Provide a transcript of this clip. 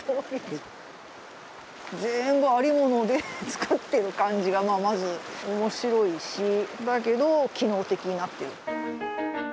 全部ありものでつくってる感じがまず面白いしだけど機能的なっていう。